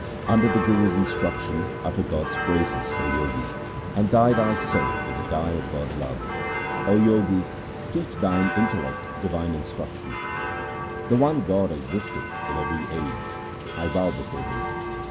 Under the Guru's instruction utter God's praises, O Jogi, and dye thy soul with the dye of God's love. O Jogi, teach thine intellect divine instruction. The one God existeth in every age, I bow before Him.